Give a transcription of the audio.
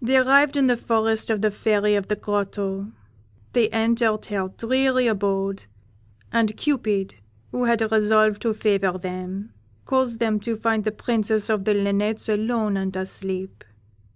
"They arrived in the forest of the Fairy of the Grotto; they entered her dreary abode, and Cupid, who had resolved to favour them, caused them to find the Princess of the Linnets alone and asleep.